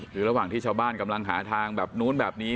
คือระหว่างที่ชาวบ้านกำลังหาทางแบบนู้นแบบนี้